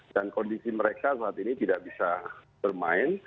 dan kondisi mereka saat ini tidak bisa bermain